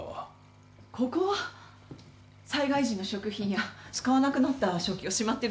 ここは災害時の食品や使わなくなった食器をしまってるだけです。